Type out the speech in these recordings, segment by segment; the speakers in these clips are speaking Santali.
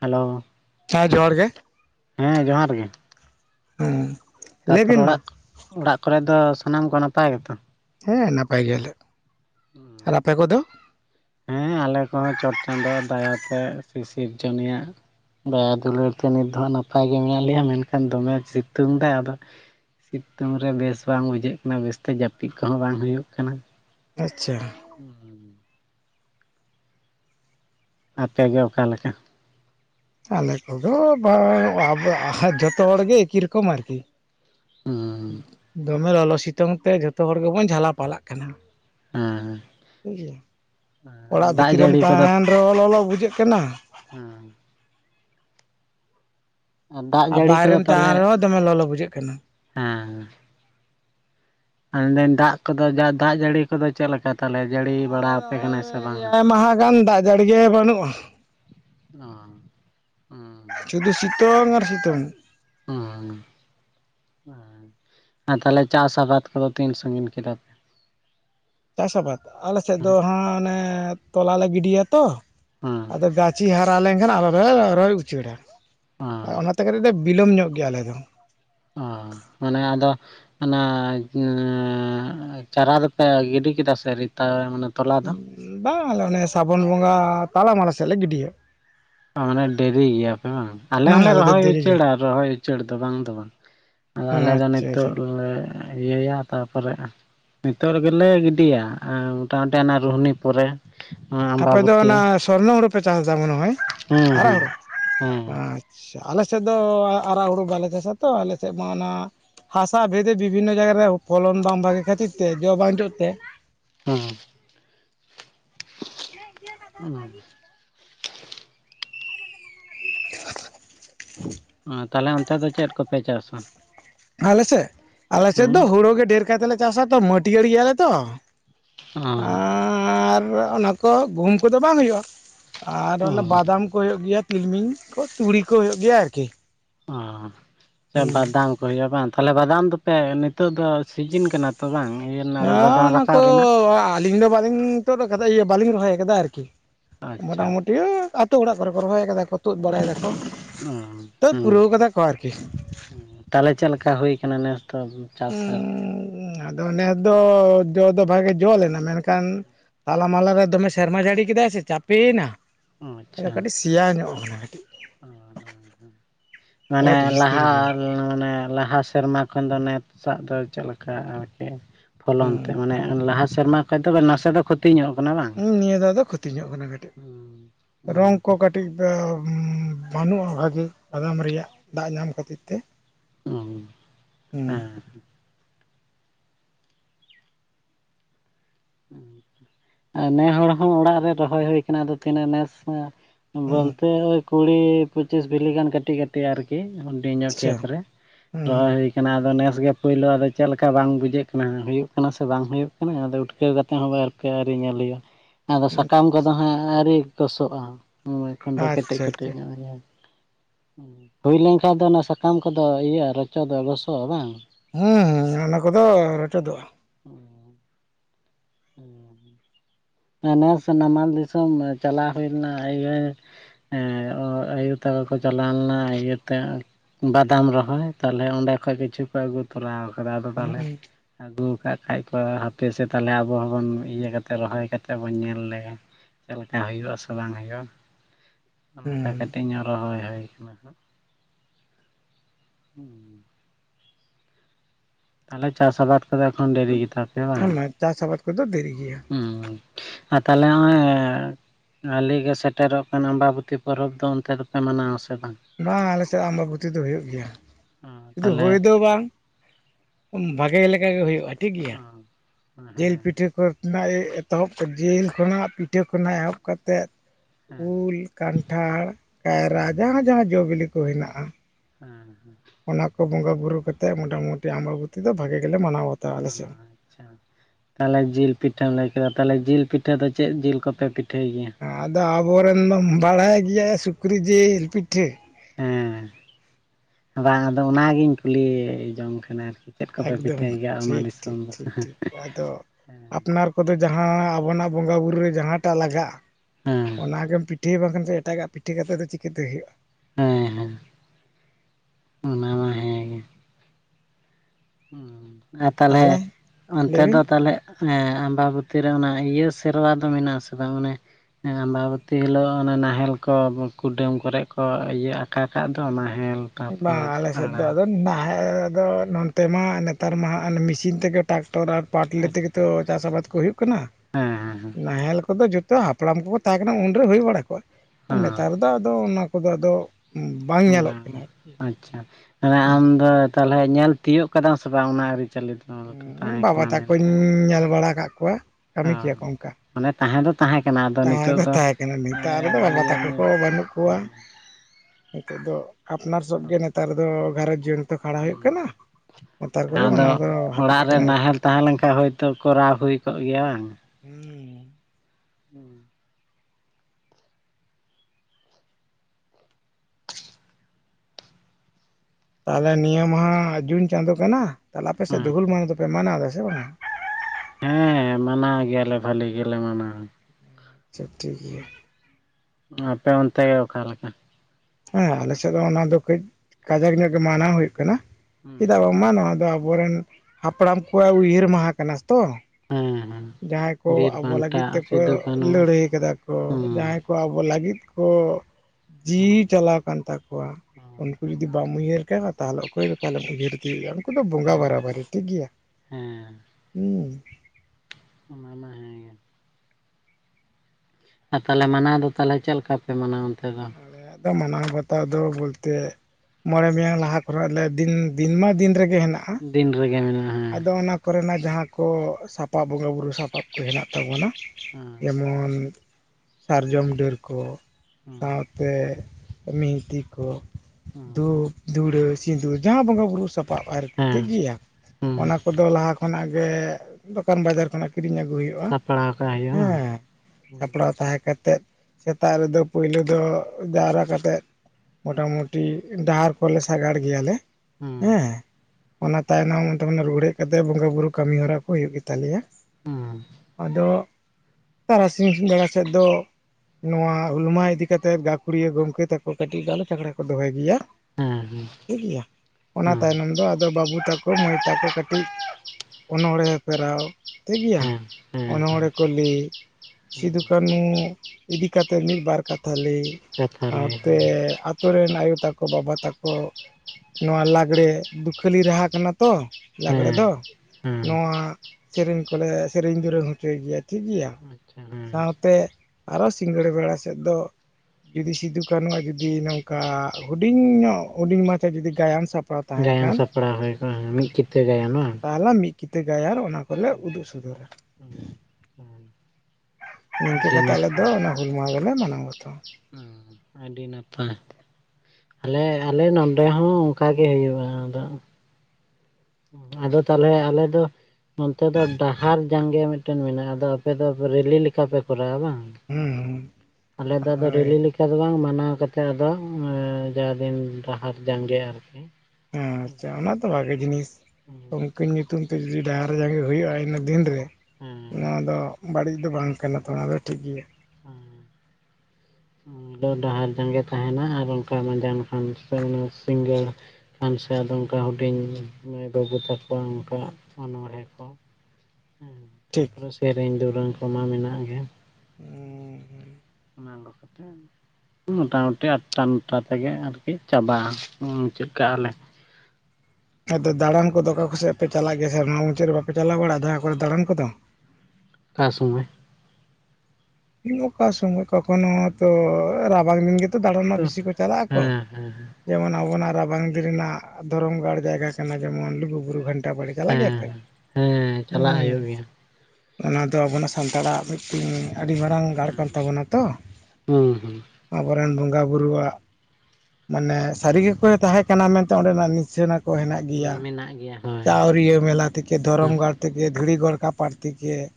ᱦᱮᱞᱳ ᱦᱮᱸ ᱡᱚᱦᱟᱨ ᱜᱮ ᱦᱮᱸ ᱡᱚᱦᱟᱨ ᱜᱮ ᱦᱮᱸ [inaudible] ᱛᱟᱯᱚᱨ ᱵᱤᱱ ᱢᱟ ᱚᱲᱟᱜ ᱚᱲᱟᱜ ᱠᱚᱨᱮ ᱫᱚ ᱥᱟᱱᱟᱢ ᱠᱚ ᱱᱟᱯᱟᱭ ᱜᱮᱛᱚ ᱦᱮᱸ ᱱᱟᱯᱟᱭ ᱜᱮᱭᱟᱞᱮ᱾ ᱟᱨ ᱟᱯᱮ ᱠᱚᱫᱚ ᱦᱮᱸ ᱟᱞᱮ ᱠᱚᱦᱚᱸ ᱪᱚᱴ ᱪᱟᱸᱫᱳᱣᱟᱜ ᱫᱟᱭᱟ ᱛᱮ ᱥᱤᱨ ᱥᱤᱨᱡᱚᱱᱤᱭᱟᱜ ᱫᱟᱭᱟ ᱫᱩᱞᱟᱹᱲ ᱛᱮ ᱱᱤᱛ ᱫᱚ ᱦᱟᱜ ᱱᱟᱯᱟᱭ ᱜᱮ ᱢᱮᱱᱟᱜ ᱞᱮᱭᱟ ᱢᱮᱱᱠᱷᱟᱱ ᱫᱚᱢᱮ ᱥᱤᱛᱩᱝ ᱫᱟᱭ ᱟᱫᱚ ᱥᱤᱛᱩᱝ ᱨᱮ ᱵᱮᱥ ᱵᱟᱝ ᱵᱩᱡᱷᱟᱹᱜ ᱠᱟᱱᱟ ᱵᱮᱥᱛᱮ ᱡᱟᱹᱯᱤᱫ ᱠᱚᱦᱚᱸ ᱵᱟᱝ ᱦᱩᱭᱩᱜ ᱠᱟᱱᱟ᱾ ᱟᱪᱪᱷᱟ ᱦᱩᱸ ᱟᱯᱮ ᱜᱮ ᱚᱠᱟ ᱞᱮᱠᱟ ᱟᱞᱮ ᱠᱚᱫᱚ [unintelligible] ᱡᱚᱛᱚ ᱦᱚᱲᱜᱮ ᱮᱠᱤ ᱨᱚᱠᱚᱢ ᱟᱨᱠᱤ ᱦᱩᱸ ᱫᱚᱢᱮ ᱞᱚᱞᱚ ᱥᱤᱛᱩᱝ ᱛᱮ ᱡᱷᱚᱛᱚ ᱦᱚᱲ ᱜᱮᱵᱚᱱ ᱡᱷᱟᱞᱟ ᱯᱟᱞᱟᱜ ᱠᱟᱱᱟ᱾ ᱦᱮᱸ ᱴᱷᱤᱠ ᱜᱮᱭᱟ ᱦᱮᱸ ᱚᱲᱟᱜ ᱵᱷᱤᱛᱨᱤ ᱨᱮᱢ ᱛᱟᱦᱮᱸᱱ ᱨᱮᱦᱚ ᱞᱚᱞᱚ ᱵᱩᱡᱷᱟᱹᱜ ᱠᱟᱱᱟ᱾ ᱦᱮᱸ ᱫᱟᱜ ᱟᱨ ᱡᱟᱹᱲᱤ ᱠᱚᱫᱚ ᱵᱟᱦᱨᱮᱢ ᱛᱟᱦᱚᱞᱮ ᱛᱟᱦᱮᱸᱱ ᱨᱮᱦᱚ ᱫᱚᱢᱮ ᱞᱚᱞᱚ ᱵᱩᱡᱷᱟᱹ ᱦᱮᱸ ᱢᱮᱱᱫᱟᱹᱧ ᱫᱟᱜ ᱠᱚᱫᱚ ᱫᱟᱜ ᱡᱟᱹᱲᱤ ᱠᱚᱫᱚ ᱪᱮᱫ ᱞᱮᱠᱟ ᱛᱟᱞᱮ ᱡᱟᱹᱲᱤ ᱵᱟᱲᱟ ᱟᱫᱚ ᱠᱟᱱᱟᱭ ᱥᱮ ᱦᱚᱸᱜᱼᱚᱭ ᱵᱟᱝ? ᱮᱭᱟᱭ ᱢᱟᱸᱦᱟ ᱜᱟᱱ ᱫᱟᱜ ᱡᱟᱹᱲᱤ ᱜᱮ ᱵᱟᱹᱱᱩᱜᱼᱟ᱾ ᱚ ᱦᱩᱸ ᱥᱩᱫᱩ ᱥᱤᱛᱩᱝ ᱟᱨ ᱥᱤᱛᱩᱝ ᱦᱩᱸ ᱟᱨ ᱛᱟᱦᱞᱮ ᱪᱟᱥ ᱟᱵᱟᱫ ᱠᱚᱫᱚ ᱛᱤᱱ ᱥᱟᱺᱜᱤᱧ ᱠᱮᱫᱟᱯᱮ ᱪᱟᱥ ᱟᱵᱟᱫ ᱟᱞᱮᱥᱮᱫ ᱫᱚ ᱦᱟᱸᱜ ᱚᱱᱮ ᱛᱚᱞᱟ ᱞᱮ ᱜᱤᱰᱤᱭᱟ ᱛᱚ ᱦᱩᱸ ᱟᱫᱚ ᱜᱟᱹᱪᱷᱤ ᱦᱟᱨᱟ ᱞᱮᱱᱠᱷᱟᱱ ᱟᱨᱦᱚ ᱞᱮ ᱨᱚᱦᱚᱭ ᱩᱪᱟᱹᱲᱟ ᱦᱩᱸ ᱚᱱᱟᱛᱮ ᱠᱟᱹᱴᱤᱡ ᱞᱮ ᱵᱤᱞᱚᱢ ᱧᱚᱜ ᱜᱮᱭᱟ ᱟᱞᱮ ᱫᱚ ᱚ ᱢᱟᱱᱮ ᱟᱫᱚ ᱚᱱᱟ ᱪᱟᱨᱟ ᱫᱚᱯᱮ ᱜᱤᱰᱤ [unintelligible] ᱨᱤᱛᱟ ᱢᱟᱱᱮ ᱛᱚᱞᱟ ᱫᱚ? ᱵᱟᱝ ᱟᱞᱮ ᱚᱱᱮ ᱥᱟᱵᱚᱱ ᱵᱚᱸᱜᱟ ᱛᱟᱞᱟ ᱢᱟᱞᱟ ᱥᱮᱫ ᱞᱮ ᱜᱤᱰᱤᱭᱟ᱾ ᱢᱟᱱᱮ ᱰᱮᱨᱤ ᱜᱮᱭᱟᱯᱮ ᱵᱟᱝ ᱟᱞᱮ ᱦᱮᱸ ᱦᱚᱸᱞᱮ ᱫᱚ ᱨᱚᱦᱚᱭ ᱫᱮᱨᱤ ᱜᱮ ᱩᱪᱟᱹᱲᱟ ᱨᱚᱦᱚᱭ ᱩᱪᱟᱹᱲ ᱫᱚ ᱵᱟᱝ ᱫᱚ ᱵᱟᱝ ᱟᱫᱚ ᱟᱞᱮ ᱫᱚ ᱟᱪᱪᱷᱟ ᱟᱪᱪᱷᱟ ᱱᱤᱛᱚᱜ ᱞᱮ ᱤᱭᱟᱹᱭᱟ ᱛᱟᱨᱯᱚᱨᱮ ᱱᱤᱛᱚᱜ ᱨᱮᱜᱮᱞᱮ ᱜᱤᱰᱤᱭᱟ ᱢᱚᱴᱟᱢᱩᱴᱤ ᱚᱱᱟ ᱨᱩᱦᱱᱤ ᱯᱚᱨᱮ ᱟᱯᱮ ᱫᱚ ᱟᱢᱵᱟᱵᱚᱛᱤ ᱚᱱᱟ ᱥᱚᱨᱱᱚ ᱦᱩᱲᱩ ᱯᱮ ᱪᱟᱥᱫᱟ ᱢᱚᱱᱮ ᱦᱳᱭ ᱦᱩᱸ ᱟᱨᱟᱜ ᱦᱩᱸ ᱦᱩᱲᱩ ᱦᱮᱸ ᱟᱪᱪᱷᱟ᱾ ᱟᱞᱮ ᱥᱮᱫ ᱫᱚ ᱟᱨᱟᱜ ᱦᱩᱲᱩ ᱵᱟᱞᱮ ᱪᱟᱥᱟ ᱛᱚ ᱟᱞᱮ ᱥᱮᱫ ᱢᱟ ᱚᱱᱟ ᱦᱟᱥᱟ ᱵᱷᱤᱛᱤᱨ ᱵᱤᱵᱷᱤᱱᱱᱚ ᱡᱟᱭᱜᱟ ᱨᱮ ᱯᱷᱚᱞᱚᱱ ᱵᱟᱝ ᱵᱷᱟᱜᱤ ᱠᱷᱟᱹᱛᱤᱨ ᱛᱮ ᱡᱚ ᱵᱟᱝ ᱡᱚᱜ ᱛᱮ ᱦᱮᱸᱸ [inaudible] [inaudible] ᱛᱟᱦᱞᱮ ᱚᱱᱛᱮ ᱫᱚ ᱪᱮᱫ ᱠᱚᱯᱮ ᱪᱟᱥᱟ ᱟᱞᱮ ᱥᱮᱫ ᱟᱞᱮ ᱥᱮᱫ ᱫᱚ ᱦᱩᱸ ᱦᱩᱲᱩᱜᱮ ᱰᱷᱮᱨ ᱠᱟᱭᱛᱮᱞᱮ ᱪᱟᱥᱟ ᱛᱚ ᱢᱟᱹᱴᱭᱟᱹᱲ ᱜᱮᱭᱟᱞᱮ ᱛᱚ᱾ ᱚ ᱟᱨ ᱚᱱᱟ ᱠᱚ ᱜᱩᱦᱩᱢ ᱠᱚᱫᱚ ᱵᱟᱝ ᱦᱩᱭᱩᱜᱼᱟ ᱟᱨ ᱚᱱᱟ ᱚ ᱵᱟᱫᱟᱢ ᱠᱚ ᱦᱩᱭᱩᱜ ᱜᱮᱭᱟ᱾ ᱛᱤᱞᱢᱤᱧ ᱠᱚ ᱛᱩᱲᱤ ᱠᱚ ᱦᱩᱭᱩᱜ ᱜᱮᱭᱟ ᱟᱨᱠᱤ ᱾ ᱵᱟᱫᱟᱢ ᱠᱚ ᱦᱩᱭᱩᱜᱼᱟ ᱵᱟᱝ ᱛᱟᱦᱚᱞᱮ ᱵᱟᱫᱟᱢ ᱫᱚᱯᱮ ᱱᱤᱛᱳᱜ ᱾ ᱦᱮ ᱵᱟᱫᱟᱢ ᱚᱱᱟ ᱠᱚ ᱨᱟᱠᱟᱵ ᱨᱮᱱᱟᱜ ᱟᱹᱞᱤᱧ ᱫᱚ ᱵᱟᱞᱤᱧ ᱱᱮᱛᱚ ᱫᱚ ᱠᱟᱛᱷᱭ ᱵᱟᱟᱹᱞᱤᱧ ᱨᱚᱦᱚᱭ ᱟᱨᱠᱤ ᱟᱪᱪᱷᱟ ᱢᱚᱴᱟᱢᱩᱴᱤ ᱟᱛᱳ ᱚᱲᱟᱜ ᱠᱚᱨᱮ ᱠᱚ ᱨᱚᱦᱚᱭ ᱟᱠᱟᱫᱟ ᱠᱚ ᱛᱩᱫ ᱵᱟᱲᱟᱭᱫᱟ ᱚ ᱛᱚ ᱦᱩᱸ ᱯᱩᱨᱟᱹᱣ ᱠᱟᱫᱟ ᱠᱚ ᱟᱨᱠᱤ ᱛᱟᱦᱚᱞᱮ ᱪᱮᱫ ᱞᱮᱠᱟ ᱦᱩᱭ ᱠᱟᱱᱟ ᱱᱮᱥ ᱫᱚ ᱪᱟᱥ ᱟᱨᱠᱤ ᱦᱮᱸ ᱟᱫᱚ ᱱᱮᱥ ᱫᱚ ᱡᱚ ᱫᱚ ᱵᱷᱟᱜᱤ ᱡᱚ ᱞᱮᱱᱟ ᱢᱮᱱᱠᱷᱟᱱ ᱛᱟᱞᱟᱢᱟᱞᱟ ᱨᱮ ᱫᱚᱢᱮ ᱥᱮᱨᱢᱟ ᱡᱟᱹᱲᱤ ᱠᱮᱫᱟᱭ ᱥᱮ ᱪᱟᱯᱮᱱᱟ ᱚ ᱟᱪᱪᱷᱟ ᱠᱟᱹᱴᱤᱡ ᱥᱮᱭᱟ ᱧᱚᱜ ᱠᱟᱱᱟ ᱾ ᱢᱟᱱᱮ ᱚᱛ ᱵᱷᱤᱛᱤᱨ ᱞᱟᱦᱟ ᱜᱮ ᱢᱟᱱᱮ ᱞᱟᱦᱟ ᱥᱮᱨᱢᱟ ᱫᱚ ᱱᱮᱛ ᱥᱟᱜ ᱫᱚ ᱪᱮᱫ ᱞᱮᱠᱟ ᱟᱨᱠᱤ ᱯᱷᱚᱞᱚᱱ ᱦᱩᱸ ᱛᱮᱦᱚ ᱞᱟᱦᱟ [unintelligible] ᱥᱮᱨᱢᱟ ᱠᱷᱚᱡᱽ ᱫᱚ ᱛᱚᱵᱮ ᱱᱟᱥᱮ ᱫᱚ ᱠᱷᱚᱛᱤ ᱧᱚᱜ ᱼᱼ ᱦᱩᱸ ᱱᱤᱭᱟᱹ ᱫᱷᱟᱣ ᱫᱚ ᱠᱷᱩᱛᱤ ᱧᱚᱜ ᱠᱟᱱᱟ ᱠᱟᱹᱴᱤᱡ ᱦᱩᱸ ᱨᱚᱝ ᱦᱩᱸ ᱠᱚ ᱠᱟᱹᱴᱤᱡ ᱵᱟᱹᱱᱩᱜᱼᱟ ᱵᱷᱟᱜᱤ ᱵᱟᱫᱟᱢ ᱨᱮᱭᱟᱜ ᱫᱟᱜ ᱧᱟᱢ ᱠᱷᱟᱹᱛᱤᱨ ᱛᱮ ᱦᱩᱸ ᱦᱸ ᱦᱮᱸ ᱱᱮ ᱦᱚᱲ ᱦᱚᱸ ᱚᱲᱟᱜ ᱨᱮ ᱨᱚᱦᱚᱭ ᱦᱩᱭ ᱠᱟᱱᱟ ᱟᱫᱚ ᱛᱤᱱᱟᱹᱜ ᱱᱮᱥ ᱦᱩᱸ ᱵᱚᱞᱛᱮ ᱳᱭ ᱠᱩᱲᱤ ᱯᱩᱪᱤᱥ ᱵᱤᱞᱤ ᱜᱟᱱ ᱠᱟᱹᱴᱤᱡ ᱠᱟᱹᱴᱤᱡ ᱟᱨᱠᱤ ᱦᱩᱰᱤᱧᱚᱜᱽ ᱟᱪᱪᱷᱟ ᱠᱷᱮᱛ ᱨᱮ ᱨᱚᱦᱚᱭ ᱦᱩᱸ ᱦᱩᱭ ᱠᱟᱱᱟ ᱟᱫᱚ ᱱᱮᱥ ᱯᱳᱭᱞᱳ ᱟᱫᱚ ᱪᱮᱫ ᱞᱮᱠᱟ ᱵᱟᱝ ᱵᱩᱡᱷᱟᱹᱜ ᱠᱟᱱᱟ ᱦᱩᱭᱩᱜ ᱠᱟᱱᱟ ᱥᱮ ᱵᱟᱝ ᱦᱩᱭᱩᱜ ᱠᱟᱱᱟ ᱟᱫᱚ ᱩᱴᱷᱟᱹᱣ [unintelligible] ᱠᱟᱛᱮᱫ ᱦᱚᱸ ᱟᱹᱨᱤ ᱧᱮᱞ ᱦᱩᱭᱩᱜᱼᱟ ᱟᱫᱚ ᱦᱩᱸ ᱥᱟᱠᱟᱢ ᱠᱚᱫᱚ ᱦᱟᱸᱜ ᱟᱹᱣᱨᱤ ᱠᱚᱥᱚᱜᱼᱟ ᱠᱷᱚᱱ ᱫᱚ ᱠᱮᱴᱮᱡ ᱟᱪᱪᱷᱟ ᱠᱮᱴᱮᱡ ᱟᱪᱪᱷᱟ ᱧᱚᱜ ᱜᱮᱭᱟ ᱾ ᱦᱩᱭ ᱞᱮᱱᱠᱷᱟᱡᱽ ᱫᱚ ᱚᱱᱟ ᱥᱟᱠᱟᱢ ᱠᱚᱫᱚ ᱤᱭᱼᱟ ᱨᱚᱪᱚᱫᱚᱜ-ᱟ ᱜᱚᱥᱚᱜᱼᱟ ᱵᱟᱝ? ᱦᱮᱸ ᱚᱱᱟ ᱠᱚᱫᱚ ᱨᱚᱪᱚᱫᱚᱜᱼᱟ ᱾ [unintelligible] ᱱᱮᱥ ᱱᱟᱢᱟᱞ ᱫᱤᱥᱚᱢ ᱪᱟᱞᱟᱣ ᱦᱩᱭ ᱞᱮᱱᱟ ᱤᱭᱟᱹ ᱦᱮᱸ ᱚ ᱟᱭᱩ ᱛᱟᱠᱚ ᱠᱚ ᱪᱟᱞᱟᱣ ᱞᱮᱱᱟ ᱤᱭᱟᱹᱛᱮᱼᱼ ᱵᱟᱫᱟᱢ ᱨᱚᱦᱚᱭ ᱛᱟᱦᱚᱞᱮ ᱚᱸᱰᱮ ᱠᱷᱚᱡ ᱠᱤᱪᱷᱩ ᱠᱚ ᱟᱹᱜᱩ ᱛᱚᱨᱟ᱾ ᱟᱫᱚ ᱛᱟᱦᱚᱞᱮ ᱦᱩᱸ ᱟᱹᱜᱩ ᱠᱟᱜ ᱠᱷᱟᱡᱽ ᱠᱚ ᱦᱟᱯᱮ ᱥᱮ ᱛᱟᱦᱚᱞᱮ ᱟᱵᱚ ᱦᱚᱸᱵᱚᱱ ᱤᱭᱟᱹ ᱠᱟᱛᱮ ᱨᱚᱦᱚᱭ ᱠᱟᱛᱮ ᱛᱮᱵᱚᱱ ᱧᱮᱞ ᱞᱮᱜᱮ ᱪᱮᱫ ᱞᱮᱠᱟ ᱦᱩᱭᱩᱜᱼᱟ ᱥᱮ ᱵᱟᱝ ᱦᱩᱭᱩᱜᱼᱟ ᱾ ᱚᱱᱠᱟ ᱠᱟᱹᱴᱤᱡ ᱦᱩᱸ ᱧᱚᱜ ᱨᱚᱦᱚᱭ ᱦᱳᱭ [unintelligible] ᱛᱟᱦᱞᱮ ᱪᱟᱥ ᱟᱵᱟᱫ ᱠᱚᱫᱚ ᱮᱠᱷᱚᱱ ᱰᱮᱨᱤ ᱜᱮ ᱛᱟᱯᱮᱭᱟ ᱵᱟᱝ? ᱪᱟᱥ ᱟᱵᱟᱫ ᱠᱚᱫᱚ ᱫᱤᱨᱤ ᱜᱮᱭᱟ ᱾ ᱦᱩᱸ ᱟᱨ ᱛᱟᱦᱞᱮ ᱦᱚᱜᱼᱚᱭ ᱟᱞᱤᱜᱮ ᱥᱮᱴᱮᱨᱚᱜ ᱠᱟᱱ ᱟᱢᱵᱟᱵᱚᱛᱤ ᱯᱚᱨᱚᱵᱽ ᱫᱚ ᱚᱱᱛᱮ ᱫᱚᱯᱮ ᱢᱟᱱᱟᱣ ᱥᱮ ᱵᱟᱝ ᱟᱞᱮ ᱥᱮᱫ ᱟᱢᱵᱟᱵᱚᱛᱤ ᱫᱚ ᱦᱩᱭᱩᱜ ᱜᱮᱭᱟ ᱚ ᱥᱩᱫᱩ ᱛᱟᱦᱚᱞᱮ ᱦᱩᱭ ᱫᱚ ᱵᱟᱝ? ᱵᱷᱟᱜᱮ ᱞᱮᱠᱟ ᱜᱮ ᱦᱩᱭᱩᱜᱼᱟ ᱴᱷᱤᱠ ᱜᱮᱭᱟ᱾ ᱚ ᱦᱮᱸ ᱡᱤᱞ ᱯᱤᱴᱷᱟᱹ ᱮᱛᱚᱦᱚᱵ ᱡᱤᱞ ᱠᱷᱚᱱᱟᱜ ᱯᱤᱴᱷᱟᱹ ᱠᱷᱚᱱᱟᱜ ᱮᱦᱚᱵ ᱠᱟᱛᱮᱫ ᱦᱮᱸ ᱩᱞ ᱠᱟᱱᱴᱷᱟᱲ ᱠᱟᱭᱨᱟ ᱡᱟᱦᱟ ᱡᱟᱦᱟ ᱡᱚ ᱵᱤᱞᱤ ᱠᱚ ᱦᱮᱱᱟᱜᱼᱟ ᱾ [unintelligible] ᱚᱱᱟ ᱠᱚ ᱵᱚᱸᱜᱟ ᱵᱩᱨᱩ ᱠᱟᱛᱮᱜ ᱢᱚᱴᱟᱢᱩᱴᱤ ᱟᱢᱵᱟᱵᱚᱛᱤ ᱫᱚ ᱵᱷᱟᱜᱮ ᱜᱮᱞᱮ ᱢᱟᱱᱟᱣ ᱵᱟᱛᱟᱣᱟ ᱟᱞᱮ ᱥᱮᱫ ᱟᱪᱪᱷᱟ ᱛᱟᱦᱞᱮ ᱡᱤᱞ ᱯᱤᱴᱷᱟᱹᱢ ᱞᱟᱹᱭ ᱠᱮᱫᱟ ᱛᱟᱦᱞᱮ ᱡᱤᱞ ᱟᱫᱚ ᱪᱮᱫ ᱡᱤᱞ ᱠᱚᱯᱮ ᱯᱤᱴᱷᱟ ᱟᱫᱚ ᱟᱵᱚᱨᱮᱱ ᱢᱟᱢ ᱵᱟᱲᱟᱭ ᱜᱮᱭᱟ ᱥᱩᱠᱨᱤ ᱡᱤᱞ ᱯᱤᱴᱷᱟᱹ ᱾ ᱦᱮᱸ ᱵᱟᱝ ᱟᱫᱚ ᱚᱱᱟᱜᱤᱧ ᱠᱩᱞᱤᱻᱤ ᱡᱚᱝ ᱠᱟᱱᱟ ᱟᱨ ᱾ ᱮᱠᱫᱚᱢ ᱴᱷᱤᱠ ᱴᱷᱤᱠ ᱴᱷᱤᱠ ᱴᱷᱤᱠ ᱟᱫᱚ ᱟᱯᱱᱟᱨ ᱠᱚᱫᱚ ᱡᱟᱦᱟ ᱟᱵᱚᱱᱟᱜ ᱵᱚᱸᱜᱟ ᱵᱩᱨᱩ ᱨᱮ ᱡᱟᱦᱟ ᱴᱟᱜ ᱞᱟᱜᱟᱜᱼᱟ ᱦᱮᱸ ᱚᱱᱟ ᱜᱮᱢ ᱯᱤᱼᱼ ᱵᱟᱠᱷᱟᱱ ᱮᱴᱟᱜ ᱯᱤᱴᱷᱟᱹ ᱠᱟᱛᱮ ᱫᱚ ᱪᱤᱠᱟᱹᱛᱮ ᱦᱩᱭᱩᱜᱼᱟ ᱾ ᱦᱮᱸ ᱦᱮᱸ ᱚᱱᱟ ᱢᱟ ᱦᱮᱸ ᱜᱮ ᱟᱨ ᱛᱟᱦᱞᱮ ᱛᱟᱦᱚᱞᱮ ᱚᱱᱛᱮ ᱞᱟᱹᱭᱵᱤᱱ ᱫᱚ ᱛᱟᱦᱞᱮ ᱟᱢᱵᱟᱵᱚᱛᱤ ᱨᱮ ᱚᱱᱟ ᱤᱭᱟᱹ ᱥᱮᱨᱶᱟ ᱫᱚ ᱢᱮᱱᱟᱜ ᱟᱥᱮ ᱵᱟᱝ ᱚᱱᱮ [unintelligible] ᱟᱢᱵᱟᱵᱚᱛᱤ ᱚᱵᱚᱵᱟᱹᱛᱤ ᱦᱤᱞᱚᱜ ᱚᱱᱟ ᱱᱟᱦᱮᱞ ᱠᱚ ᱠᱩᱰᱟᱹᱢ ᱠᱚᱨᱮᱜ ᱠᱚ ᱤᱭᱟᱹ ᱟᱠᱟ ᱠᱟᱫ ᱫᱚ᱾ [unintelligible] ᱵᱟ ᱛᱟᱯᱚᱨ ᱟᱞᱮ ᱥᱮᱫ ᱫᱚ ᱟᱲᱟᱨ ᱟᱫᱚ᱾ [unintelligible] ᱟᱫᱚ ᱱᱚᱱᱛᱮ ᱢᱟ ᱱᱮᱛᱟᱨ ᱢᱟ ᱦᱟᱜ ᱢᱮᱥᱤᱱ ᱛᱮᱜᱮ ᱴᱟᱠ᱾ [unintelligible] ᱨᱟᱴ ᱯᱟᱴ [unintelligible] ᱛᱚ ᱨᱟᱛᱯᱟᱛᱴᱞᱮ ᱛᱮᱜᱮ ᱟᱪᱪᱷᱟ ᱛᱚ ᱦᱮᱸ ᱪᱟᱥ ᱟᱵᱟᱫ ᱠᱚ ᱦᱩᱭᱩᱜ ᱠᱟᱱᱟ ᱱᱟᱦᱮᱞ ᱠᱚᱫᱚ ᱡᱚᱛᱚ᱾ ᱦᱟᱯᱲᱟᱢ ᱠᱚᱠᱚ ᱛᱟᱦᱮᱸ ᱠᱟᱱᱟ ᱩᱱᱨᱮ ᱦᱩᱭ ᱵᱟᱲᱟ ᱠᱚᱜᱼᱟ, ᱟᱨ ᱱᱮᱛᱟᱨ ᱫᱚ ᱟᱫᱚ ᱚᱱᱟ ᱠᱚᱫᱚ ᱟᱫᱚ ᱵᱟᱝ ᱧᱮᱞᱚᱜ ᱠᱟᱱᱟ ᱾ ᱟᱪᱷᱟ [unintelligible] ᱟᱢᱫᱚ ᱛᱟᱦᱞᱮ ᱧᱮᱞ ᱛᱤᱭᱩᱜ ᱠᱟᱫᱟᱢ ᱥᱮ ᱵᱟᱝ ᱚᱱᱟ ᱟᱹᱨᱤᱪᱟᱹᱞᱤ ᱫᱚ ᱦᱮᱸ ᱛᱟᱦᱮᱸ ᱵᱟᱵᱟ ᱠᱟᱱᱟ ᱛᱮᱠᱚᱧ ᱢᱮᱱᱛᱮ ᱧᱮᱞ ᱵᱟᱲᱟ ᱦᱟᱠᱟᱫ ᱠᱚᱣᱟ ᱠᱟᱹᱢᱤ ᱚ ᱠᱮᱭᱟ ᱠᱚ ᱚᱱᱠᱟ ᱢᱟᱱᱮ ᱛᱟᱦᱮᱸ ᱫᱚ ᱛᱟᱦᱮᱸ ᱠᱟᱱᱟ ᱟᱫᱚ ᱛᱟᱦᱮᱸ ᱱᱤᱛᱚᱜ ᱫᱚ ᱛᱟᱦᱮᱸ ᱠᱟᱱᱟ ᱱᱮᱛᱟᱨ ᱫᱚ ᱵᱟᱵᱟ ᱤᱭᱟᱹ ᱛᱮᱠᱚ ᱠᱚ ᱦᱮᱸ ᱵᱟᱹᱱᱩᱜ ᱠᱚᱣᱟ᱾ ᱱᱤᱛᱚᱜ ᱫᱚ ᱟᱯᱱᱟᱨ ᱦᱤᱥᱟᱹᱵᱽ ᱜᱮ ᱱᱮᱛᱟᱨ ᱫᱚ ᱜᱷᱟᱨᱚᱸᱡᱽ ᱡᱤᱭᱚᱱ ᱠᱷᱟᱸᱰᱟᱣ ᱦᱩᱭᱩᱜ ᱠᱟᱱᱟ᱾ ᱱᱮᱛᱟᱨ ᱠᱚᱫᱚ ᱟᱫᱚ ᱚᱱᱟ ᱫᱚ ᱦᱟᱹᱯᱤᱫ ᱚᱲᱟᱜ ᱨᱮ ᱟᱠᱟᱱᱟ ᱟᱨᱠᱤ ᱱᱟᱦᱮᱞ ᱛᱟᱦᱮᱸ ᱞᱮᱱᱠᱷᱟᱱ ᱦᱚᱭᱛᱚ ᱠᱚᱨᱟᱣ ᱦᱩᱭ ᱠᱚᱜ ᱜᱮᱭᱟ ᱵᱟᱝ ᱦᱮᱸᱻ ᱦᱮᱸᱻ ᱛᱟᱦᱚᱞᱮ ᱱᱤᱭᱟᱹ ᱢᱟᱦᱟ ᱡᱩᱱ ᱪᱟᱸᱫᱚ ᱠᱟᱱᱟ ᱛᱟᱦᱞᱮ ᱟᱯᱮᱥᱮᱫ ᱫᱚ ᱦᱩᱞ ᱢᱟᱦᱟ ᱫᱚᱯᱮ ᱢᱟᱱᱟᱣ? ᱥᱮ ᱵᱟᱝᱟ ᱾ ᱦᱮᱸ ᱢᱟᱱᱟᱣ ᱜᱮᱭᱟᱞᱮ ᱵᱷᱟᱹᱞᱤ ᱜᱮᱞᱮ ᱢᱟᱱᱟᱣ-ᱟ᱾ [unintelligible] ᱡᱚᱵ ᱴᱷᱤᱠ ᱜᱮᱭᱟ᱾ ᱟᱯᱮ ᱚᱱᱛᱮ ᱚᱠᱟ ᱞᱮᱠᱟ? ᱦᱮᱸ ᱟᱞᱮᱥᱮᱫ ᱫᱚ ᱚᱱᱟ ᱫᱚ ᱠᱟᱹᱡ ᱠᱟᱡᱟᱠ ᱧᱚᱜ ᱜᱮ ᱢᱟᱜᱱᱟᱣ ᱦᱩᱭᱩᱜ ᱠᱟᱱᱟ᱾ ᱪᱮᱫᱟᱜ ᱦᱮᱸ ᱵᱟᱝᱢᱟ ᱱᱚᱣᱟ ᱫᱚ ᱟᱵᱚᱨᱮᱱ ᱦᱟᱯᱲᱟᱢ ᱠᱚᱣᱟᱜ ᱩᱭᱦᱟᱹᱨ ᱢᱟᱦᱟ ᱠᱟᱱᱟ ᱛᱚ᱾ ᱦᱮᱸ ᱡᱟᱦᱟᱸᱭ ᱠᱚ ᱵᱤᱨ ᱟᱵᱚ ᱞᱟᱹᱜᱤᱫ ᱵᱟᱱᱴᱟ ᱛᱮᱠᱚ ᱥᱤᱫᱩ ᱠᱟᱹᱱᱩ ᱞᱟᱹᱲᱦᱟᱹᱭ ᱠᱟᱫᱟ ᱠᱚ ᱦᱮᱸ ᱡᱟᱦᱟᱸᱭ ᱠᱚ ᱟᱵᱚ ᱞᱟᱹᱜᱤᱫ ᱡᱤᱭᱤ ᱠᱚ ᱟᱞᱟᱭ ᱠᱮᱫᱟ ᱾ ᱡᱤᱣᱤ ᱦᱮᱸ ᱪᱟᱞᱟᱣ ᱟᱠᱟᱱ ᱛᱟᱠᱚᱣᱟ ᱩᱱᱠᱩ ᱡᱩᱫᱤ ᱵᱟᱝ ᱩᱭᱦᱟᱹᱨ ᱠᱟᱢᱮ ᱛᱟᱦᱚᱞᱮ ᱚᱠᱚᱭ ᱫᱚ ᱛᱟᱦᱚᱞᱮ ᱩᱭᱦᱟᱹᱨ ᱤᱫᱤᱭᱮᱭᱟ᱾ ᱩᱱᱠᱩ ᱫᱚ ᱵᱚᱸᱜᱟ ᱦᱮᱸ ᱵᱟᱨᱟᱵᱟᱹᱨᱤ ᱴᱷᱤᱠ ᱜᱮᱭᱟ ᱦᱮᱸ ᱾ ᱚᱱᱟ ᱢᱟ ᱦᱮᱸᱜᱮ ᱾ ᱟᱨ ᱛᱟᱦᱚᱞᱮ ᱢᱟᱱᱟᱣ ᱫᱚ ᱛᱟᱦᱞᱮ ᱪᱮᱫ ᱞᱮᱠᱟ ᱯᱮ ᱢᱟᱱᱟᱣᱟ ᱚᱱᱛᱮ ᱫᱚ? ᱟᱞᱮᱭᱟᱜ ᱢᱟᱱᱟᱣ ᱵᱟᱛᱟᱣ ᱫᱚ ᱢᱚᱬᱮ ᱢᱟᱦᱟᱸ ᱞᱟᱦᱟ ᱠᱷᱚᱱᱟᱜ ᱜᱮ ᱫᱤᱱᱢᱟ ᱫᱤᱱ ᱦᱮᱱᱟᱜᱼᱟ ᱫᱤᱱ ᱨᱮᱜᱮ ᱢᱮᱱᱟᱜ-ᱟ᱾ ᱟᱫᱚ ᱚᱱᱟ ᱠᱚᱨᱮᱱᱟᱜ ᱡᱟᱦᱟᱸ ᱠᱚ ᱵᱚᱸᱜᱟ ᱵᱩᱨᱩ ᱥᱟᱯᱟᱵ ᱠᱚ ᱦᱮᱱᱟᱜ ᱛᱟᱵᱚᱱᱟ᱾ ᱦᱮᱸ ᱡᱮᱢᱚᱱ ᱥᱟᱨᱡᱚᱢ ᱰᱟᱹᱨ ᱠᱚ ᱦᱮᱸ ᱥᱟᱶᱛᱮ ᱢᱤᱛᱷᱤ ᱠᱚ ᱦᱮᱸ ᱫᱷᱩᱯ-ᱫᱷᱩᱲᱟᱹ ᱥᱤᱸᱫᱩᱨ ᱡᱟᱦᱟᱸ ᱵᱚᱸᱜᱟᱼᱵᱩᱨᱩ ᱥᱟᱯᱟᱯ ᱥᱟᱯᱟᱵ ᱟᱨᱠᱤ ᱴᱷᱤᱠ ᱦᱮᱸ ᱜᱮᱭᱟ ᱦᱮᱸ ᱚᱱᱟ ᱠᱚᱫᱚ ᱞᱟᱦᱟ ᱠᱷᱚᱱᱟᱜ ᱜᱮ ᱫᱚᱠᱟᱱ ᱵᱟᱡᱟᱨ ᱠᱷᱚᱱᱟᱜ ᱠᱤᱨᱤᱧ ᱜᱩᱭᱩᱜ-ᱟ᱾ ᱠᱤᱨᱤᱧ ᱥᱟᱯᱲᱟᱣ ᱠᱟᱜ ᱟᱹᱜᱩ ᱦᱩᱭᱩᱜᱼᱟ ᱦᱩᱭᱩᱜᱼᱟ᱾ᱦᱮᱸ ᱥᱟᱯᱲᱟᱣ ᱛᱟᱦᱮᱸ ᱠᱟᱛᱮ ᱪᱮᱫ ᱥᱮᱛᱟᱜ ᱨᱮᱫᱚ ᱯᱩᱭᱞᱩ ᱫᱚ ᱡᱟᱣᱨᱟ ᱠᱟᱛᱮᱫ ᱢᱚᱴᱟ ᱢᱩᱴᱤ ᱦᱟᱥᱟ ᱠᱚ ᱥᱟᱜᱟᱲ ᱜᱮᱭᱟᱞᱮ ᱦᱮᱸ ᱚᱱᱟ ᱛᱟᱭᱱᱚᱢ ᱾ ᱛᱚ ᱨᱩᱣᱟᱹᱲᱦᱮᱡ ᱠᱟᱛᱮ ᱵᱚᱸᱜᱟ ᱵᱩᱨᱩ ᱠᱟᱹᱢᱤ ᱦᱚᱨᱟ ᱠᱚ ᱦᱩᱭᱩᱜ ᱜᱮᱛᱟᱞᱮᱭᱟ ᱦᱮᱸ ᱦᱮᱸ ᱟᱫᱚ ᱛᱟᱨᱟᱥᱤᱧ ᱵᱮᱲᱟ ᱥᱮᱫ ᱫᱚ ᱱᱚᱣᱟ ᱦᱩᱞᱢᱟ ᱤᱫᱤᱠᱟ ᱠᱟᱛᱮᱜ ᱱᱚᱣᱟ ᱦᱩᱞ ᱢᱟᱦᱟ ᱤᱫᱤᱠᱟᱛᱮ ᱜᱟᱹᱠᱷᱩᱲᱤᱭᱟᱹ ᱜᱚᱝᱠᱮ ᱛᱮᱠᱚ ᱠᱟᱹᱴᱤᱡ ᱜᱟᱞᱚᱪ ᱟᱠᱷᱲᱟ ᱠᱚ ᱫᱚᱦᱚᱭ ᱜᱮᱭᱟ᱾ ᱦᱮᱸ ᱦᱮᱸ ᱴᱷᱤᱠᱜᱮᱭᱟ ᱚᱱᱟ ᱛᱟᱭᱱᱚᱢ ᱫᱚ ᱟᱫᱚ ᱵᱟᱹᱵᱩ ᱛᱮᱠᱚ ᱢᱟᱹᱭ ᱛᱮᱠᱚ ᱠᱟᱹᱴᱤᱡ ᱚᱱᱚᱬᱦᱮ ᱯᱷᱮᱨᱟᱣ ᱴᱷᱤᱠ ᱜᱮᱭᱟ ᱦᱮᱸ ᱦᱮᱸ ᱦᱮᱸ ᱚᱱᱚᱬᱦᱮ ᱠᱚ ᱞᱟᱹᱭᱟ᱾ ᱦᱮᱸ ᱥᱤᱫᱩ ᱠᱟᱹᱱᱩ ᱤᱫᱤ ᱠᱟ ᱠᱟᱛᱮᱫ ᱢᱤᱫ-ᱵᱟᱨ ᱠᱟᱛᱷᱟ ᱠᱚ ᱞᱟᱹᱭᱟ ᱾ ᱥᱟᱱᱛᱟᱞᱤ ᱠᱟᱛᱷᱟ ᱞᱟᱹᱭ ᱥᱟᱶᱛᱮ ᱠᱟᱱᱟ ᱟᱹᱛᱩ ᱨᱮᱱᱟᱜ ᱟᱭᱳ ᱛᱮᱠᱚ ᱵᱟᱵᱟ ᱛᱮᱠᱚ ᱱᱚᱣᱟ ᱞᱟᱝᱜᱽᱲᱮ ᱫᱩᱠᱷᱟᱹᱞᱤ ᱨᱟᱦᱟ ᱠᱟᱱᱟ ᱛᱚ ᱞᱟᱝᱜᱽᱬᱮ ᱦᱮᱸ ᱫᱚ ᱦᱮᱸ ᱱᱚᱣᱟ ᱥᱮᱨᱮᱧ ᱠᱚᱞᱮ ᱥᱮᱨᱮᱧ ᱫᱩᱨᱟᱹᱝ ᱦᱚᱪᱚᱭ ᱜᱮᱭᱟ᱾ ᱴᱷᱤᱠ ᱜᱮᱭᱟ ᱟᱪᱪᱷᱟ ᱦᱮᱸ ᱥᱟᱶᱛᱮ ᱟᱨᱦᱚᱸ ᱥᱤᱸᱜᱟᱹᱲ ᱵᱮᱲᱟ ᱥᱮᱫ ᱫᱚ ᱡᱩᱫᱤ ᱥᱤᱫᱩ-ᱠᱟᱹᱱᱩᱣᱟᱜ ᱡᱩᱫᱤ ᱱᱚᱝᱠᱟ ᱦᱩᱰᱤᱧ ᱧᱚᱜ ᱦᱩᱰᱤᱧ ᱢᱟᱪᱷᱟ ᱡᱩᱫᱤ ᱜᱟᱭᱟᱱ ᱥᱟᱵ ᱜᱟᱭᱟᱱ ᱥᱟᱯᱲᱟᱣ ᱦᱩᱭ ᱠᱚᱜᱼᱟ ᱢᱤᱫ ᱠᱤᱛᱟᱹ ᱜᱟᱭᱟᱱᱚᱜᱼᱟ᱾ ᱛᱟᱦᱚᱞᱮ ᱢᱤᱫ ᱠᱤᱛᱟᱹ ᱜᱟᱭᱟᱱ ᱚᱱᱟ ᱠᱚᱞᱮ ᱩᱫᱩᱜ ᱥᱚᱫᱚᱨᱟ ᱦᱮᱸᱻᱦᱮᱸ ᱱᱤᱝᱠᱟᱹ ᱠᱟᱛᱮ ᱟᱞᱮ ᱫᱚ ᱚᱱᱟ ᱦᱩᱞ ᱢᱟᱦᱟ ᱜᱮᱞᱮ ᱢᱟᱱᱟᱣ ᱛᱷᱳ ᱦ ᱟᱹᱰᱤ ᱱᱟᱯᱟᱭ ᱟᱞᱮ ᱟᱞᱮ ᱱᱚᱰᱮ ᱦᱚᱸ ᱚᱱᱠᱟᱟᱜᱮ ᱦᱩᱭᱩᱜᱼᱟ ᱟᱫᱚ ᱟᱫᱚ ᱛᱟᱦᱚᱞᱮ ᱟᱞᱮ ᱫᱚ ᱚᱱᱛᱮ ᱫᱚ ᱰᱟᱦᱟᱨ ᱡᱟᱸᱜᱮ ᱢᱤᱫᱴᱮᱱ ᱢᱮᱱᱟᱜᱼᱟ ᱟᱫᱚ ᱟᱯᱮ ᱫᱚ ᱨᱮᱤᱞᱤ ᱞᱮᱠᱟᱯᱮ ᱠᱚᱨᱟᱣᱟ ᱵᱟᱝ᱾ ᱦᱩᱸ ᱟᱞᱮ ᱫᱚ ᱦᱩᱸ ᱟᱫᱚ ᱦᱳᱭ ᱨᱮᱤᱞ ᱞᱮᱠᱟ ᱫᱚ ᱵᱟᱝ ᱢᱟᱱᱟᱣ ᱚᱱᱟ ᱠᱟᱛᱮᱜ ᱟᱫᱚ ᱡᱟᱫᱤᱱ ᱰᱟᱦᱟᱨ ᱡᱟᱸᱜᱮ ᱟᱨᱠᱤ ᱟᱪᱪᱷᱟ ᱚᱱᱟ ᱛᱚ ᱵᱷᱟᱜᱮ ᱡᱤᱱᱤᱥ ᱩᱱᱠᱤᱱ ᱧᱩᱛᱩᱢ ᱡᱩᱫᱤ ᱰᱟᱦᱟᱨ ᱡᱟᱸᱜᱮ ᱦᱩᱭᱩᱜ-ᱟ ᱤᱱᱟᱹ ᱫᱤᱱ ᱨᱮ ᱦᱮᱸ ᱱᱚᱣᱟ ᱫᱚ ᱵᱟᱹᱲᱤᱡ ᱫᱚ ᱵᱟᱝ ᱠᱟᱱᱟ ᱛᱚ ᱚᱱᱟ ᱫᱚ ᱴᱷᱤᱠ ᱜᱮᱭᱟ᱾ ᱦᱮᱸ ᱰᱟᱦᱟᱨ ᱡᱟᱝᱜᱮ ᱛᱟᱦᱮᱱᱟ ᱟᱨ ᱚᱱᱠᱟ ᱢᱟᱸᱡᱟᱱ ᱟᱠᱟᱱ ᱥᱮ ᱥᱤᱸᱜᱟᱹᱲ ᱟᱠᱟᱱ ᱥᱮ ᱟᱫᱚ ᱚᱱᱠᱟ ᱦᱩᱰᱤᱧ ᱢᱟᱹᱭ ᱵᱟᱹᱵᱩ ᱛᱟᱠᱚᱣᱟ ᱚᱱᱠᱟ ᱚᱱᱚᱬᱦᱮᱸ ᱠᱚᱸ ᱴᱷᱤᱠ ᱛᱟᱨᱯᱚᱨᱮ ᱥᱮᱨᱮᱧ ᱫᱩᱨᱟᱹᱝ ᱠᱚᱢᱟ ᱢᱮᱱᱟᱜ ᱜᱮ᱾ [unintelligible] ᱠᱟᱛᱮ ᱢᱳᱴᱟᱢᱩᱴᱤ ᱟᱴᱴᱟ ᱱᱚᱴᱟ ᱛᱮᱜᱮ ᱟᱨᱠᱤ ᱪᱟᱵᱟᱜ-ᱟ ᱢᱩᱪᱟᱹᱫ ᱠᱟᱜ-ᱟ ᱞᱮ ᱟᱫᱚ ᱫᱟᱬᱟᱱ ᱠᱚᱫᱚ ᱚᱠᱟ ᱚᱠᱚ ᱥᱮᱫ ᱯᱮ ᱪᱟᱞᱟᱜ ᱜᱮᱭᱟ ᱥᱮ ᱢᱩᱪᱟᱹᱫ ᱨᱮ ᱵᱟᱯᱮ ᱪᱟᱞᱟᱣ ᱵᱟᱲᱟᱜ-ᱟ ᱡᱟᱦᱟᱸ ᱠᱚᱨᱮ ᱫᱟᱬᱟᱱ ᱠᱚᱫᱚ᱾ ᱚᱠᱟ ᱥᱚᱢᱚᱭ ᱚᱠᱟ ᱥᱚᱢᱚᱭ ᱠᱚᱠᱷᱚᱱᱳ ᱛᱚ ᱨᱟᱵᱟᱝ ᱫᱤᱱ ᱜᱮ ᱫᱟᱬᱟᱱ ᱢᱟ ᱦᱮᱸ ᱵᱮᱥᱤ ᱠᱚ ᱪᱟᱞᱟᱜ-ᱟ ᱠᱚ ᱦᱮᱸ ᱡᱮᱢᱚᱱ ᱟᱵᱚᱱᱟᱜ ᱨᱟᱵᱟᱝ ᱫᱤᱱ ᱨᱮᱱᱟᱜ ᱫᱷᱚᱨᱚᱢ ᱜᱟᱲ ᱡᱟᱭᱜᱟ ᱠᱟᱱᱟ ᱡᱮᱢᱚᱱ ᱞᱩᱜᱩᱵᱩᱨᱩ ᱜᱷᱟᱱᱴᱟ ᱴᱟ ᱵᱟᱹᱲᱮ ᱪᱟᱞᱟᱜ ᱜᱮᱭᱟᱯᱮ ᱦᱮᱸ ᱦᱮᱸ ᱪᱟᱞᱟᱜ ᱦᱩᱸ ᱦᱩᱭᱩᱜ ᱜᱮᱭᱟ ᱚᱱᱟ ᱫᱚ ᱟᱵᱚᱱᱟᱜ ᱥᱟᱱᱛᱟᱲᱟᱜ ᱢᱤᱫᱴᱤᱱ ᱟᱹᱰᱤ ᱢᱟᱨᱟᱝ ᱜᱟᱲ ᱠᱟᱱ ᱛᱟᱵᱚᱱᱟ ᱛᱚ ᱦᱮᱸ ᱟᱵᱚᱨᱮᱱ ᱵᱚᱸᱜᱟ ᱵᱩᱨᱩᱣᱟᱜ ᱢᱟᱱᱮ ᱥᱟᱹᱨᱤ ᱜᱮᱠᱚ ᱛᱟᱦᱮᱸ ᱠᱟᱱᱟ ᱢᱮᱱᱛᱮ ᱚᱸᱰᱮᱱᱟᱜ ᱱᱤᱹᱥᱟᱱᱟ ᱠᱚ ᱦᱮᱱᱟᱜ ᱜᱮᱭᱟ ᱦᱮᱸ ᱢᱮᱱᱟᱜ ᱜᱮᱭᱟ ᱦᱳᱭ ᱪᱟᱣᱨᱤᱭᱟᱹ ᱢᱮᱞᱟ ᱛᱷᱮᱠᱮ ᱦᱮᱸ ᱫᱷᱚᱨᱚᱢ ᱜᱟᱲ ᱛᱷᱮᱠᱮ ᱫᱷᱤᱨᱤ ᱜᱟᱲᱠᱟᱯᱴ ᱛᱷᱮᱠᱮ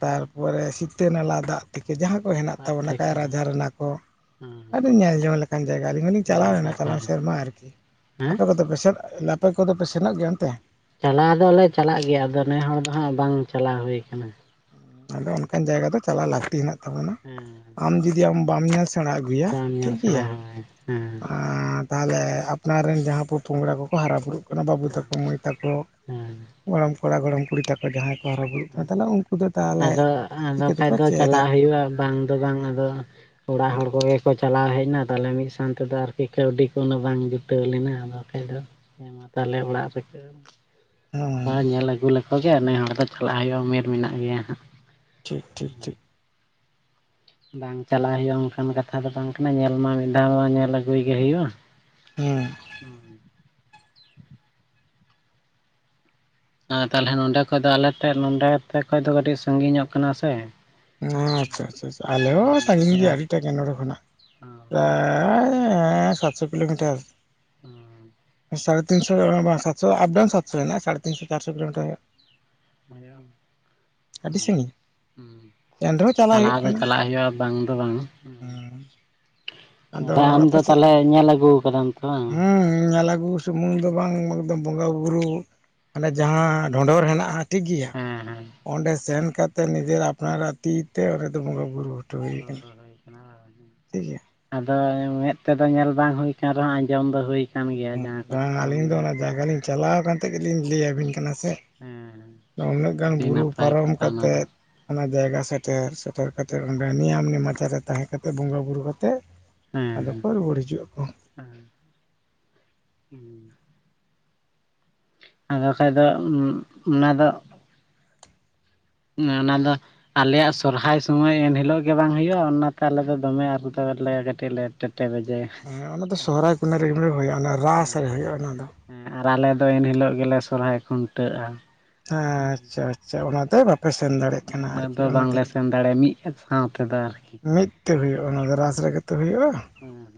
ᱛᱟᱨᱯᱚᱨᱮ ᱥᱤᱛᱟᱹ ᱱᱟᱞᱟ ᱫᱟᱜ ᱛᱷᱮᱠᱮ ᱡᱟᱦᱟᱸ ᱠᱚ ᱦᱮᱱᱟᱜ ᱯᱟᱨᱠ ᱛᱟᱵᱚᱱᱟ ᱛᱷᱮᱠᱮ ᱠᱟᱭᱨᱟ ᱦᱮᱸ ᱡᱷᱟᱨᱱᱟ ᱠᱚ᱾ ᱦᱮᱸ ᱟᱹᱰᱤ ᱧᱮᱞ ᱡᱚᱝ ᱞᱮᱠᱟᱱ ᱡᱟᱭᱜᱟ ᱟᱹᱞᱤᱧ ᱦᱚᱞᱤᱧ ᱪᱟᱞᱟᱣ ᱡᱟᱭᱜᱟ ᱞᱮᱱᱟ ᱪᱟᱞᱟᱣ ᱮᱱ ᱦᱳᱭ ᱥᱮᱨᱢᱟ ᱟᱨᱠᱤ᱾ ᱦᱮᱸ ᱟᱯᱮ ᱠᱚᱫᱚᱯᱮ ᱥᱮᱱᱚᱜ ᱟᱯᱮ ᱠᱚᱫᱚᱯᱮ ᱥᱮᱱᱚᱜ ᱜᱮᱭᱟ ᱮᱱᱛᱮ ᱪᱟᱞᱟᱣ ᱫᱚᱞᱮ ᱪᱟᱞᱟᱜ ᱜᱮᱭᱟ ᱟᱫᱚ ᱱᱮ ᱦᱚᱲ ᱫᱚ ᱦᱟᱸᱜ ᱵᱟᱝ ᱪᱟᱞᱟᱣ ᱦᱩᱭ ᱠᱟᱱᱟ᱾ ᱟᱫᱚ ᱚᱱᱠᱟᱱ ᱡᱟᱭᱜᱟ ᱫᱚ ᱪᱟᱞᱟᱜ ᱞᱟᱹᱠᱛᱤ ᱦᱮᱱᱟᱜ ᱛᱟᱵᱚᱱᱟ ᱦᱮᱸ ᱟᱢ ᱡᱩᱫᱤ ᱟᱢ ᱵᱟᱢ ᱧᱮᱞ ᱥᱮᱬᱟ ᱟᱹᱜᱩᱭᱟ ᱵᱟᱢ ᱴᱷᱤᱠ ᱧᱮᱞ ᱥᱮᱬᱟ ᱜᱮᱭᱟ ᱦᱳᱭ ᱦᱮᱸ ᱟᱨ ᱛᱟᱦᱚᱞᱮ ᱟᱯᱱᱟᱨ ᱨᱮᱱ ᱡᱟᱦᱟᱸ ᱯᱷᱩ ᱯᱷᱚᱝᱲᱟ ᱠᱚᱠᱚ ᱦᱟᱨᱟ ᱵᱩᱨᱩᱜ ᱠᱟᱱᱟ ᱵᱟᱹᱵᱩ ᱦᱮᱸ ᱛᱟᱠᱚ ᱢᱟᱹᱭ ᱛᱟᱠᱚ ᱦᱮᱸ ᱜᱚᱲᱚᱢ ᱠᱚᱲᱟ ᱜᱚᱲᱚᱢ ᱠᱩᱲᱤ ᱛᱟᱠᱚ ᱡᱟᱦᱟᱸᱭ ᱠᱚ ᱦᱟᱨᱟ ᱵᱩᱨᱩᱜ ᱠᱟᱱ ᱦᱮᱸ ᱛᱟᱦᱚᱞᱮ ᱩᱱᱠᱩ ᱫᱚ ᱛᱟᱦᱚᱞᱮ ᱟᱫᱚ ᱟᱫᱚ ᱪᱤᱠᱟᱹ ᱠᱷᱟᱡ ᱛᱮᱠᱚ ᱫᱚ ᱪᱮᱫᱟ ᱪᱟᱞᱟᱜ ᱦᱩᱭᱩᱜ-ᱟ ᱵᱟᱝ ᱫᱚ ᱵᱟᱝ ᱟᱫᱚ ᱚᱲᱟᱜ ᱦᱚᱲ ᱠᱚᱜᱮ ᱠᱚ ᱪᱟᱞᱟᱣ ᱦᱮᱡ ᱮᱱᱟ ᱛᱟᱦᱚᱞᱮ ᱢᱤᱫ ᱢᱤᱫᱥᱟᱶ ᱛᱮᱫᱚ ᱟᱨᱠᱤ ᱠᱟᱹᱣᱰᱤ ᱠᱚ ᱩᱱᱟ ᱵᱟᱝ ᱡᱩᱴᱟᱹᱣ ᱞᱮᱱᱟ ᱟᱫᱚ ᱵᱟᱠᱷᱟᱡ ᱫᱚ ᱦᱮᱸ ᱢᱟ ᱛᱟᱦᱚᱞᱮ ᱚᱲᱟᱜ ᱨᱮᱠᱚ ᱦᱚᱸ ᱦᱮᱸ ᱧᱮᱞ ᱟᱹᱜᱩ ᱞᱮᱠᱚ ᱜᱮ ᱱᱮ ᱦᱚᱲ ᱫᱚ ᱪᱟᱞᱟᱜ ᱦᱩᱭᱩᱜ-ᱟ ᱩᱢᱮᱨ ᱢᱮᱱᱟᱜ ᱜᱮᱭᱟ ᱦᱟᱸᱜ᱾ ᱴᱷᱤᱠ ᱴᱷᱤᱠ ᱴᱷᱤᱠ ᱵᱟᱝ ᱪᱟᱞᱟᱜ ᱦᱩᱭᱩᱜ-ᱟ ᱚᱱᱠᱟᱱ ᱠᱟᱛᱷᱟ ᱫᱚ ᱵᱟᱝ ᱠᱟᱱᱟ ᱧᱮᱞ ᱢᱟ ᱢᱤᱫ ᱫᱷᱟᱣ ᱢᱟ ᱧᱮᱞ ᱟᱹᱜᱩᱭ ᱜᱮ ᱦᱩᱭᱩᱜ-ᱟ᱾ ᱦᱮᱸ ᱦᱩᱸ ᱛᱟᱦᱞᱮ ᱱᱚᱰᱮ ᱠᱷᱚᱡ ᱫᱚ ᱟᱞᱮᱴᱷᱮᱫ ᱱᱚᱰᱮ ᱛᱮ ᱠᱷᱚᱡ ᱫᱚ ᱠᱟᱹᱴᱤᱡ ᱥᱟᱺᱜᱤᱧᱚᱜ ᱠᱟᱱᱟ ᱥᱮ᱾ ᱟᱪᱪᱷᱟ ᱟᱪᱪᱷᱟ ᱟᱞᱮ ᱰᱷᱮᱨ ᱦᱚᱸ ᱧᱚᱜ ᱥᱟᱺᱜᱤᱧ ᱜᱮᱭᱟ ᱟᱨᱠᱤ ᱟᱹᱰᱤᱴᱟᱜ ᱜᱮ ᱱᱚᱰᱮ ᱠᱷᱚᱱᱟᱜ ᱦᱮᱸ ᱥᱟᱛᱥᱚ ᱠᱤᱞᱳᱢᱤᱴᱟᱨ ᱦᱩᱸ ᱥᱟᱲᱮ ᱛᱤᱱ ᱥᱚ ᱫᱚ ᱥᱟᱛ ᱥᱚ ᱫᱚ ᱟᱯᱰᱟᱩᱱ ᱥᱟᱛ ᱥᱚ ᱢᱮᱱᱟᱜ-ᱟ ᱥᱟᱲᱮ ᱛᱤᱱ ᱥᱚ ᱪᱟᱨ ᱥᱚ ᱠᱤᱞᱳᱢᱤᱴᱟᱨ ᱦᱩᱭᱩᱜ-ᱟ᱾ [unintelligible] ᱦᱮᱸ ᱮᱱ ᱨᱮᱦᱚᱸ ᱪᱟᱞᱟᱣ ᱦᱩᱭᱩᱜ ᱫᱚ ᱠᱟᱱᱟ ᱪᱟᱞᱟᱜ ᱦᱩᱭᱩᱜ-ᱟ ᱵᱟᱝ ᱫᱚ ᱵᱟᱝ ᱛᱟᱦᱚᱞᱮ ᱟᱫᱚ ᱟᱢ ᱟᱯᱮ ᱫᱚ ᱥᱮᱫ ᱛᱟᱦᱚᱞᱮ ᱧᱮᱞ ᱟᱹᱜᱩ ᱠᱟᱫᱟᱢ ᱛᱚ ᱵᱟᱝ? ᱦᱮᱸ ᱧᱮᱞ ᱟᱹᱜᱩ ᱥᱩᱢᱩᱝ ᱫᱚ ᱵᱟᱝ ᱚᱢ ᱫᱚᱸ ᱵᱚᱸᱜᱟ ᱵᱩᱨᱩ ᱢᱟᱱᱮ ᱡᱟᱦᱟᱸ ᱰᱷᱚᱸᱰᱚᱨ ᱦᱮᱱᱟᱜ-ᱟ ᱴᱷᱤᱠ ᱜᱮᱭᱟ ᱦᱮᱸ ᱦᱮᱸ ᱚᱸᱰᱮ ᱥᱮᱱ ᱠᱟᱛᱮ ᱱᱤᱡᱮᱨ ᱟᱯᱱᱟᱨᱟᱜ ᱛᱤᱛᱮ ᱚᱱᱰᱮ ᱫᱚ ᱵᱚᱸᱜᱟ ᱵᱩᱨᱩ ᱦᱚᱴᱚ [unintelligible] ᱠᱟᱱᱟ ᱦᱩᱭ ᱠᱟᱱᱟ᱾ ᱵᱟᱝ? ᱴᱷᱤᱠ ᱜᱮᱭᱟ᱾ ᱟᱫᱚ ᱢᱮᱫ ᱛᱮᱫᱚ ᱧᱮᱞ ᱵᱟᱝ ᱦᱩᱭ ᱟᱠᱟᱱ ᱨᱮᱦᱚᱸ ᱟᱸᱡᱚᱢ ᱫᱚ ᱦᱩᱭ ᱠᱟᱱ ᱜᱮᱭᱟ ᱸ ᱡᱟᱦᱟᱸ ᱠᱚ ᱵᱟᱝ ᱟᱹᱞᱤᱧ ᱠᱟᱛᱷᱟᱢ ᱫᱚ ᱞᱟᱹᱭ ᱚᱱᱟ ᱠᱮᱫᱟ ᱡᱟᱭᱜᱟ ᱞᱤᱧ ᱦᱮᱸ ᱪᱟᱞᱟᱣ ᱠᱟᱱ ᱛᱮᱜᱮ ᱞᱤᱧ ᱞᱟᱹᱭ ᱟᱹᱵᱤᱱ ᱠᱟᱱᱟ ᱥᱮ᱾ ᱦᱮᱸ ᱩᱱᱟᱹᱜ ᱜᱟᱱ ᱟᱹᱰᱤ ᱵᱩᱨᱩ ᱱᱟᱯᱟᱭ ᱯᱟᱨᱚᱢ ᱠᱟᱛᱷᱟ ᱚᱱᱟ ᱠᱟᱛᱮ ᱫᱚ ᱚᱱᱟ ᱡᱟᱭᱜᱟ ᱥᱮᱴᱮᱨ ᱥᱮᱴᱮᱨ ᱠᱟᱛᱮ ᱚᱸᱰᱮ ᱱᱤᱭᱟᱢ ᱱᱮᱢᱟᱪᱟᱨᱮ ᱛᱟᱦᱮᱸ ᱠᱟᱛᱮ ᱵᱚᱸᱜᱟ ᱵᱩᱨᱩ ᱠᱟᱛᱮᱫ ᱛᱮᱫ ᱟᱫᱚ ᱠᱚ ᱦᱮᱸ ᱨᱩᱣᱟᱹᱲ ᱦᱤᱡᱩᱜ ᱟᱠᱚ᱾ ᱦᱮᱸ ᱟᱫᱳ ᱠᱷᱟᱡ ᱫᱚ ᱚᱱᱟ ᱫᱚ ᱦᱮ ᱚᱱᱟ ᱫᱚ ᱟᱞᱮᱭᱟᱜ ᱥᱚᱨᱦᱟᱭ ᱥᱚᱢᱚᱭ ᱮᱱᱦᱤᱞᱳᱜ ᱜᱮ ᱵᱟᱝ ᱦᱩᱭᱩᱜᱼᱟ ᱚᱱᱟᱛᱮ ᱟᱞᱮ ᱫᱚ ᱫᱚᱢᱮ ᱟᱨ ᱫᱚ ᱞᱮ [unintelligible] ᱞᱮ ᱵᱮᱡᱮᱭᱟ ᱦᱮᱸ ᱚᱱᱟ ᱫᱚ ᱥᱚᱦᱚᱨᱟᱭ [unintelligible] ᱨᱮ ᱦᱩᱭᱩᱜᱼᱟ ᱨᱟᱥ ᱨᱮ ᱦᱮᱸ ᱦᱩᱭᱩᱜᱼᱟ ᱚᱱᱟ ᱫᱚ᱾ ᱟᱨ ᱟᱞᱮ ᱫᱚ ᱮᱱ ᱦᱤᱞᱳᱜ ᱜᱮᱞᱮ ᱥᱚᱨᱦᱟᱭ ᱠᱷᱩᱱᱴᱟᱹᱜᱼᱟ᱾ ᱦᱮᱸ ᱟᱪᱪᱷᱟ ᱟᱪᱪᱷᱟ ᱚᱱᱟ ᱛᱮ ᱵᱟᱯ ᱯᱮ ᱥᱮᱱ ᱫᱟᱲᱮᱭᱟᱜ ᱠᱟᱱᱟ ᱩᱱᱟᱹᱜ ᱟᱨᱠᱤ ᱫᱚ ᱚᱱᱟ ᱵᱟᱝᱞᱮ ᱫᱤᱱ ᱫᱚ ᱥᱮᱱ ᱫᱟᱲᱮᱭᱟᱜᱼᱟ ᱢᱤᱫ ᱥᱟᱶ ᱛᱮᱫᱚ ᱟᱨᱠᱤ ᱢᱤᱫᱛᱮ ᱦᱩᱭᱩᱜ ᱚᱱᱟ ᱫᱚ [unintelligible] ᱦᱩᱭᱩᱜᱼᱟ᱾ ᱦᱮᱸᱸ [inaudible]